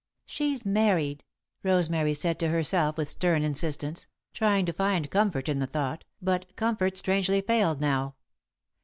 "She's married," Rosemary said to herself with stern insistence, trying to find comfort in the thought, but comfort strangely failed now.